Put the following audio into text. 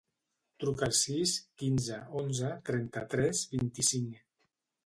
Truca al sis, quinze, onze, trenta-tres, vint-i-cinc.